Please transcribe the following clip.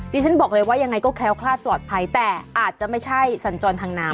ฉันบอกเลยว่ายังไงก็แค้วคลาดปลอดภัยแต่อาจจะไม่ใช่สัญจรทางน้ำ